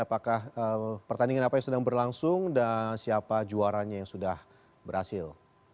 apakah pertandingan apa yang sedang berlangsung dan siapa juaranya yang sudah berhasil